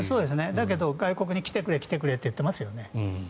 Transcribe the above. だけど、外国に来てくれって言ってますよね。